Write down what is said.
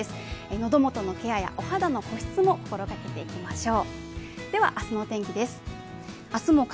のど元のケアやお肌の保湿も心がけていきましょう。